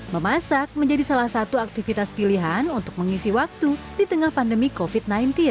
memasak menjadi salah satu aktivitas pilihan untuk mengisi waktu di tengah pandemi covid sembilan belas